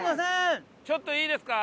ちょっといいですか？